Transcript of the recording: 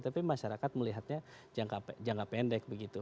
tapi masyarakat melihatnya jangka pendek begitu